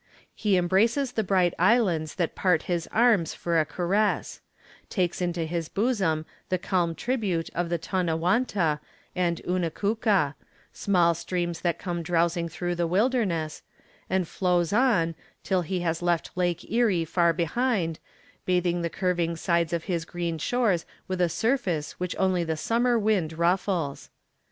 He embraces the bright islands that part his arms for a caress; takes into his bosom the calm tribute of the Tonewanta and Unnekuqua—small streams that come drowsing through the wilderness—and flows on, till he has left Lake Erie far behind, bathing the curving sides of his green shores with a surface which only the summer wind ruffles.